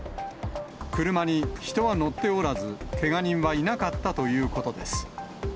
車に人は乗っておらず、けが人はいなかったということです。